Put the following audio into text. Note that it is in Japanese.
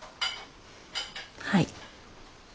はい。